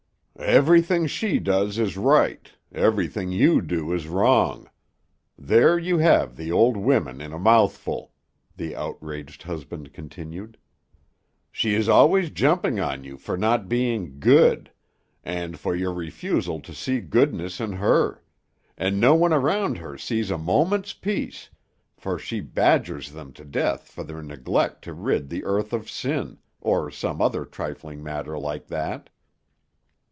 "Everything she does is right; everything you do is wrong, there you have the old women in a mouthful," the outraged husband continued. "She is always jumping on you for not being Good, and for your refusal to see goodness in her; and no one around her sees a moment's peace, for she badgers them to death for their neglect to rid the earth of sin, or some other trifling matter like that.